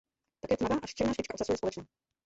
Také tmavá až černá špička ocasu je společná.